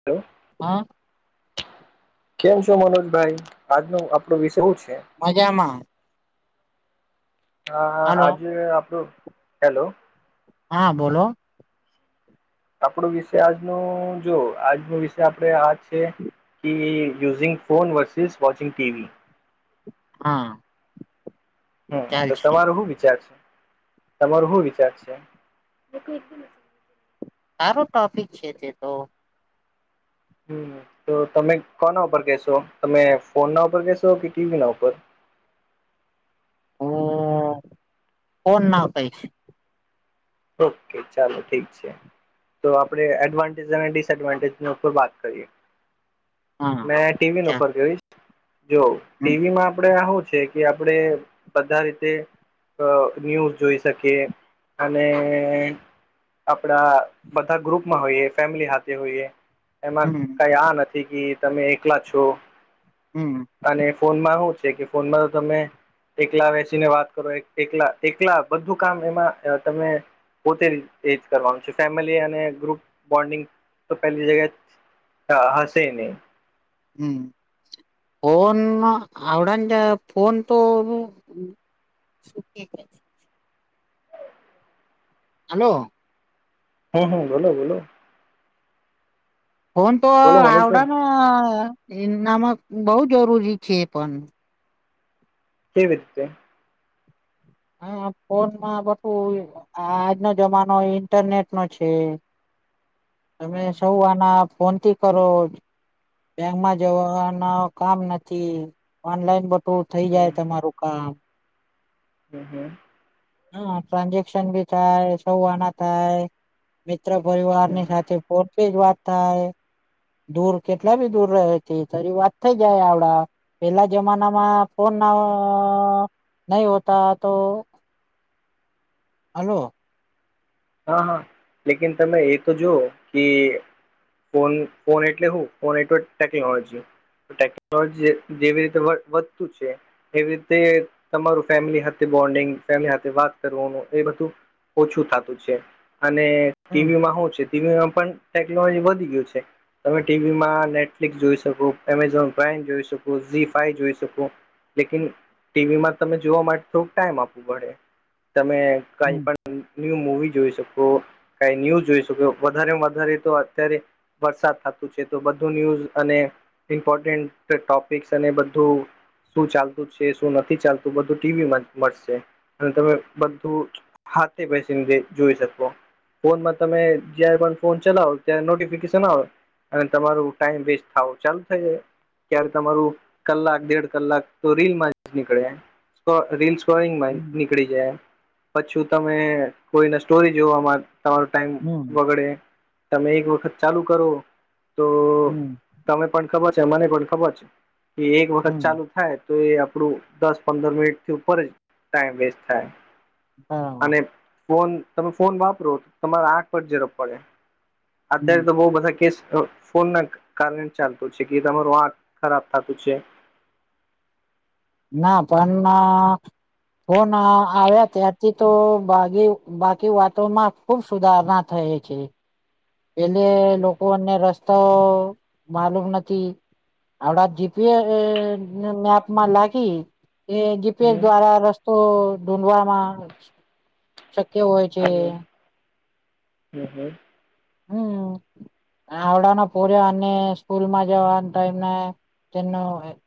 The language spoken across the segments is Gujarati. [unintelligible] હાં. કેમ છો મનોજભાઈ આજનું આપણુ વિષય શુ છે. મજામાં. હા હલો આજે આપણું હેલો. હાં બોલો. આપડું વિષય આજનું જો આજનુ વિષય આપડે આ છે. કે using phone versus watching T V. હમ્મ. હમ્મ તો તમારુ હું વિચાર છે તમારુ હું વિચાર છે. હારુ ટોપિક છે તે તો. હમ્મ તો તમે કોના ઉપર કેસો? તમે ફોન ના ઉપર કેસો કે ટી વી ના ઉપર? હું ફોનના કઈસ ઓ કે ચાલો ઠીક છે. તો આપડે એડવાન્ટેજ અને ડિસએડવાન્ટેજની ઉપર વાત કરીએ. હા મેં ટી વી ન ચાલ ઉપર જોઈશ. જુવો હમ ટી વી માં આપડે હું છે કે આપડે બધા રીતે ન્યૂઝ જોઈ શકીએ. અને આપડા બધા ગ્રુપમાં હોઈએ ફેમિલી હાથે હોઈએ. એમાં હમ કઈ આ નથી કે તમે એકલા છો. હમ. અને ફોનમાં શું છે કે ફોનમાં તો તમે એકટેલા વસીને વાત કરો એક ટેકલા ટેકલા બધું કામ એમાં ત પોતે એજ કરવાનું છે ફેમિલી અને ગ્રુપ બોન્ડિંગ તો પહેલી જગ્યા હસે નહી. હમ. ફોન આવવડજ ફોન તો શ [unintelligible] હાલો. હા હા બોલો બોલો. ફોન તો બોલો મનોજભાઈ આવડાનાનામ બઉુ જરૂરી છે પણ. હેવી રિતે? હા ફોનમાં બધું આજનો જમાનો ઈન્ટરનેટ નો છે. તમે હમ સૌ આના ફોનથી કરો. બેંકમાં જવાનું કામ નથી ઓનલાઈન બધું થઇ હમ જાય તમારું કામ. હ હ. હા ટ્રાન્ઝેક્શન બી થાય સૌ આના થાય, મિત્ર પરિવાર હમ ની હમ સાથે ફોટ પેજ વાત થાય. દૂર કેટલા બી દૂર રહે તે તરી વાત થઈ જાય આવડા. પેલા જમાનામાં ફોન, ના નહી હોતા તો. હલો. હા હા લેકન તમે એ તો જુવ કે ફોન ફોન એટલે હું ફોન એટલે ટેકનોલોજી. ટેકનોલોજી જેવી રીતે વધ વધતું છે. એવી રીતે તમારું ફેમિલી સાથે બન્ડિંગ ફેમ સાથે વાત કરનું એ બધું. ઓછું થતું છે, અને હમ ટીવીમાં શું છે. ટીવીમાં પણ ટેકનોલોજી વધી ગયું છે. તમે ટીવી માં નેટફ્લિક્સ જોઈ શકો. એમેઝોન પ્રાઈમ જોઈ શકો, ઝી ફાઈ જોઈ શકો. લેકિન ટીવીમાં તમે જોવા માટે થોડુંક ટાઈમ આપવું પડે, તમે કઈ હમ પણ મવી જોઈ શકો, કઈ ન્યૂઝ જોઈ શકો, વધારેમાં વધારે તો અત્યારે વરસાદ થતું છે તો બધું ન્યૂઝ અને ઇમ્પોર્ટન્ટ ટોપિક્સ અને બધું શું ચાલતું છે શું નથી ચાલતું, બધું ટીવીમાં મળશે. અને તમે બધું હાથે બેસી દે જોઈ શકો. ફોનમાં તમે જયારે પણ ફોન ચલાવો, ત્યારે નોટિફિકેશન આવે. અને તમારું ટાઈમ વેસ્ટ થાવ ચાલુ થઇ જાય. ક્યારે તમારું કલાક દેડ કલાક તો રીલમાં જ નીકળે, તો રીલસ સ્ટોરિંગમાં હમ નીકળી જાય, પછું તમે કોઈને સ્ટોરી જોવામાં અ તમારું ટાઈમ હમ બગડે, તમે એક વખત ચાલુ કરો તો હમ તમે પણ ખબર છે મને પણ ખબર છે, કે એક વખત હમ ચાલુ થાય. તો એ આપણું દસ પંદર મિનિટ થી ઉપર જ ટાઈમ વેસ્ટ થાય. હા. અને ફોન તમે ફોન વાપરો તમારા આંખ પર ઝરપ પડે. હમ અત્યારે તો બઉ બધા કેસ અ ફોન ના કારણે ચાલતો છે કે તમારું આંક ખરાબ થતું છે. ના પણ ફન ફોન આવ્યા ત્યારથી તો ભાગે બાકી વાતોમાં ખુબ સુધારણા થય છે. પેલે લોકોને રસ્તો માલુમ નથી. આપડા જીપે અ મેપમાં લાગી, એ જીપેસ હમ દ્વારા રસ તો ઢૂઢવાવામાં શક્ય હોય છે. હ હ. [inaudible] આવડાનો પર્યો અને સ્કૂલમાં જવા ટાઈમેં, તેમનો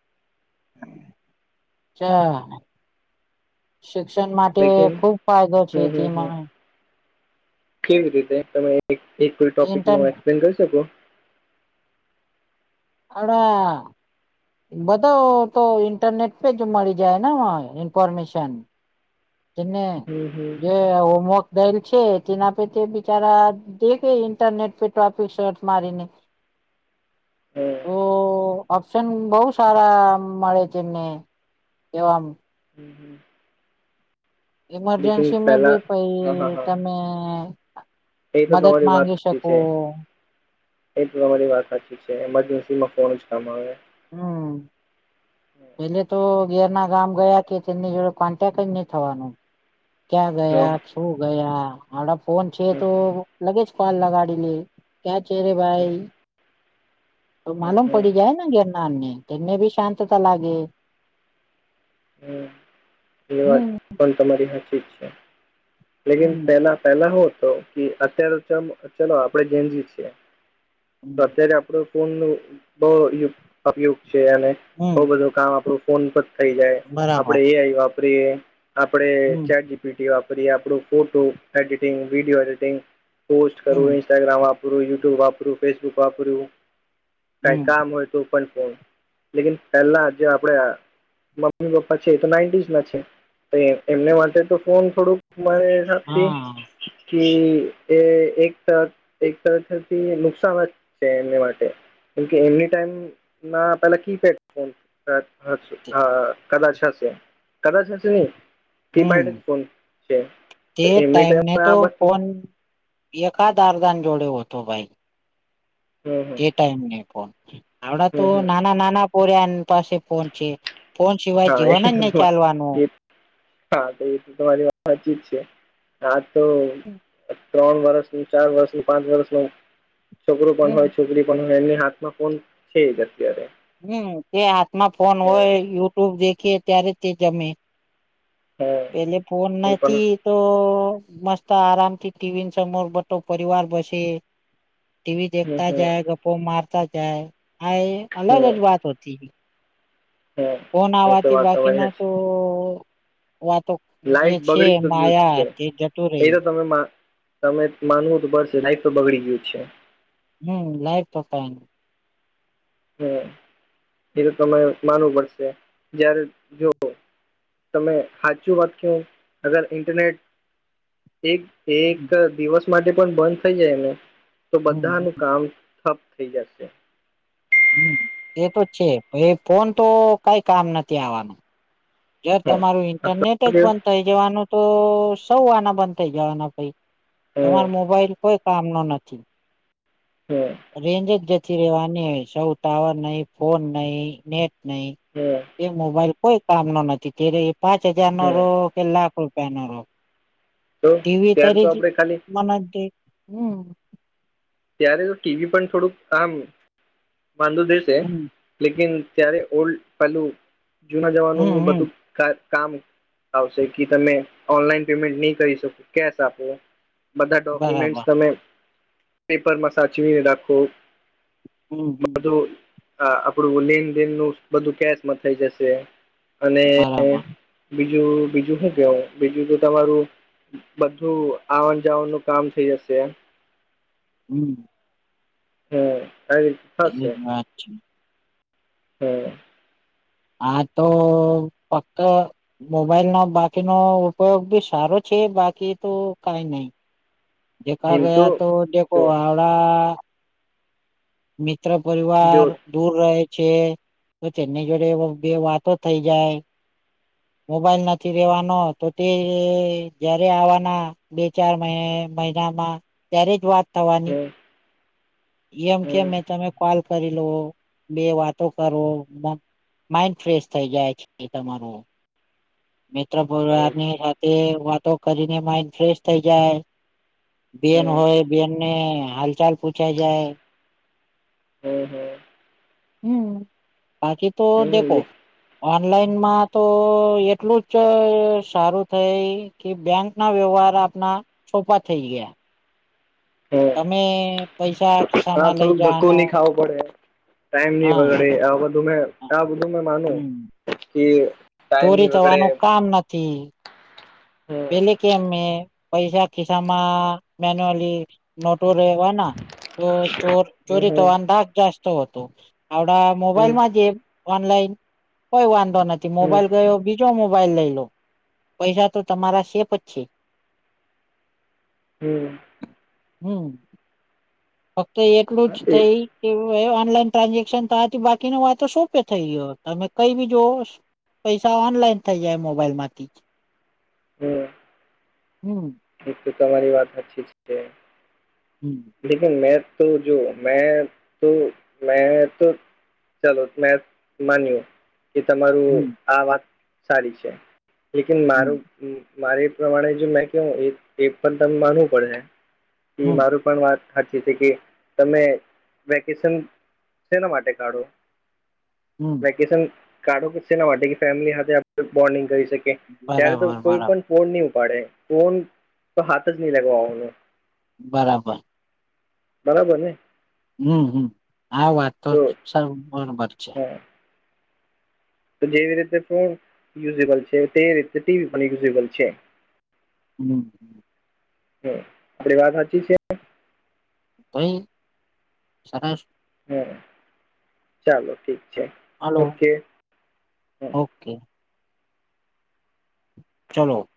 [inaudible] ચા. શિક્ષણ માટે લેકિન ખુબ ફાયદો છે હમ હમ હમ તેમાંન. કેવી રીતે તમે એક કો ટોપિક ઇન્ટર નું એક્સપ્લેન કરી શકો? આવડા. બધા તો ઇન્ટરનેટ પેજ મળી જાય ને ઇન્ફોર્મેશન. તેમને હમ, હમ. જે હોમવર્ક બેલ છે. તેના પરે તે બિચારા દેખે ઇન્ટરનેટ પે ટ્રોફિક શર્ટ મારીને. હા. ઓ ઓપ્શન બહુ સારા મળે છે એમને, કેવામ. હમ હમ. લેકિન ઇમરજન્સીમાં પહેલા બી હા, હા, પઈ હા. તમે એ તો મદદ તમારી વાત માંગી સાચી શકો છે. એ તો તમારી વાત સાચી છે મરજન્સીમાં ફોન જ કામ આવે. હમ. પેલે તો ગેરના ગામ ગયા કે તેમની જોડે કોન્ટેક જ નહી થવાનું. ક્યાં હા, હમ, ગયા શું ગયા આપડા ફોન છે હમ, તો લગે જ કોલ લગાડીને ક્યાં ચરે હમ, ભાઈ. તો હમ, માલુમ પડી હમ. જાય ગિરનારને તેમને બી શાંતતા લાગે. હમ, એ વાત હમ પણ તમારી હાચીત છે. લેકન હમ પેલા પેલા હ તો કે અત્યારે ચલો આપડે ગેંજી છીએ. તો અત્યારે આપણું ફોન નું બહ ઉપયોગ છે અને બઉ હમ બધું કામ આપણું. ફોન પર થઈ જાય, બરાબર આપણે એ આઈ વાપરીએ, આપણે હમ ચાર વિડીયો વાપરીએ આપણું photo editing video editing post હમ કરવું. ઇન્સ્ટાગ્રામ વાપરું ટ્યુબ વાપરું ફેસબુક વાપરું, કઈ હમ કામ હોય તો. લેકન પેલા જે આપણેે મમ્મી પપ્પા છે એ તો નાઈન્ટીસ ના છે, તો એમને માટે તો ફોન થોડુંકરે હા એ એક એક તરથી નુકાન સમજ છે એમ માટે કેમકે એમની ટાઈમ ના પેલા કી પેડ હા કદાચ હશે કદાચ હશે નહી. કીપેડ જ હમ ફોન છે, તે તો એમની ટાઈમ આ બસ એક દારદાન જોડે હો હતો ભાઈ. હમ હમ. [unintelligible] ફોન આવડા તો હમ હમ નાના નાના પોરિયા પાસે ફોન છે. ફોન સિવાય હા જીવન એ જ તો નહી તમા- ચાલવાનું એ હા તો એ તો તમારી વાત સાચી જ છે આ તો ત્રણ વર્ષનું ચાર વર્ષનું પાંચ વર્ષ નું છોકરું પણ હમ હોય છોકરી પણ એની હાથમાં ફોન છે જ અત્યારે હમ તે હાથમાં ફોન હોય હમ યુટ્યુબ દેખી ત્યારે તે જમે કે હમ જે ફોન એ પણ નથી તો મસ્ત આરામથી ટીવી સમોર બધો પરિવાર બસે ટીવી હમ દેખતા હમ જાય ગપો મારતા જાય હા એ અલગ જ હમ જ વાત હતી હમ ફોન એ તો આવવાથી વાત તમારી બાકીનો તો સાચી વાતો જે લાઈફ છે બગડી તો ગયું માયા છે તે જતું એ રહી તો તમે તમે માનવું તો પડશે લાઈફ તો બગડી ગયું છે. હમ લાઈફ પકા હમ એ તો તમારે માનવું પડશે જયારે જોવ તમે સાચું વાત કે અગર ઇન્ટરનેટ એક એક હમ દિવસ માટે પણ બંધ થઈ જાય એને તો હમ બધાનું કામપ [unintelligible] હમ એ તો છે ફોન તો કઈ કામ નથી આવવાનું જયાર હમ તમારું આ તો ઇન્ટરનેટ જ કેવું? બંધ થઇ જવાનું તો સૌ આના બંધ થઇ જવાના ભાઈ હમ તમાર મોબાઈલ કોઈ કામનો નથી હા રેન્જ જ જતી રેવાની હોય સૌ ટાવર નહી ફોન નહી નેટ નહી હમ એ મોબાઈલ કોઈ કામ નો નથી તે્યારે એ પાંચ હજાર નો હમ રહો કે લાખ રૂપિયા નો રહો તો ત્યારે તો ટીવી આપણે ખાલી [unintelligible] હમ ત્યારે તો ટીવી પણ થોડુંક આામ વાંધો દેશે હમ લેકિન ત્યારે ઓલ્ડ પહેલું જૂના હમ જવાનોનું હમ બધું કામ આવશે કે તમે ઓનલાઈન પેમેન્ટ નહી કરી શકો કેશ આપો બધા બરાબર ડોક્યુમેન્ટસ તમે પેપરમાં સાચવીને રાખો હમ હમ બધું આ આપણું લેન દેન નું બધું કેશમાં થઈ જશે અને બરાબર બીજું બીજું હું કેવો બીજું તો તમારું બધું આવનું જાવનું કામ થઇ જશે હમ હ કરી એનો જ વાંક છે. હ હા તો ફકત મોબાઈલ નો બાકીનો ઉપયોગ બી સારો છે બાકી તો કઈ નહી દેખા ગયા તો જે જો કોઈ હાવડા મિત્ર જો પરિવાર દૂર રહે છે તો તેની જોડે બે વાતો થઈ જાય મોબાઈલ નથી રેવાનો તો તે જયારે આવવાના બે ચાર મહિનામાં ત્યારે જ વાત થવાની હમ એમ કે હમ મેં તમે કોલ કરી લો બે વાતો કરો માઇન્ડ ફ્રેશ થઈ જાય છે તમારો. [inaudible] મિત્ર હવે પરિવારની સાથે વાતો કરીને માઇન્ડ ફ્રેશ થઈ જાય. બેન હમ હોય બેનને હાલચાલ પૂછાય જાય. હમ હ. હમ, બાકી તો દેખો હમ ઓનલાઈન માં તો એટલું જ સારું થાય. કે બેંકના વ્યવહાર આપણા સોપા થઇ ગયા. હમ અને પૈસા ખિસ્સામાં લઈ જવાનો. ટાઈમની હા બગડે આ બધું મે આ બધું મે માનું, હમ કે ટાઈમ ચોરી નહી વગડે થવાનું કામ નથી. હમ પેલે કેમ મે પૈસા ખિસ્સામાં મેન્યુઅલી. નોટો રેવાના, તો ચોર હમ ચોરી હમ થવાનો દાજ જાસ્તો હતો. આવડા હમ મોબાઈલમાં જે ઓનલાઈન કોઈ વાંધો નથી હમ મોબાઈલ ગયો બી બીજો મોબાઈલ લઈ લો, પૈસા તો તમારા સેફ જ છે. હમ. હમ. ફક્ત એટલું જ હા તે થઈ. કેવુ ઓનલાઈન ટ્રાન્ઝેક્શન તો આથી બાકી ન વાતો સોપે થઈ ગયો તમે કઈ બી જોવો. પૈસા ઓનલાઈન થઈ જાય મોબાઈલ માંથી જ. હમ. હમ. એક તો તમારી વાત સાચી જ છે. હમ. લેબ તો મેં તો જો મેં તો મેં તો ચાલો મેં માનીએ. કે તમારું હમ આ વાત સારી છે, લેકીન મારું હમ મારે પ્રમાણે જો મેં કેવ એ પણ ત માનવું પડશે, કે હમ મારું પણ વાત હાચી છે કે, તમે વેકેશન શેના માટે કાઢો? હમ. વેકેશન કાઢો કે શેના માટે કે ફેમિલી હાથે બોન્ડિંગ કરી શકીએ, ત્યારે તો બરાબર કોઈ બરાબર પણ ફોન નહી ઉપાડે, ફોન તો હાથ જ નહી લગાવવાનું. બરાબર. બરાબર ને? હમ હમ આ વાત તો સાવ બરોબર છે. હા તો જેવી રીતે ફોન યુઝબલ છે તે રીતે ટીવી પણ યુઝિબલ છે. હમ. આપણી વાત સાચી છે. તોય સરસ. હમ, ચાલો ઠીક છે. હલો, ઓકે હમ ઓકે. ચલો.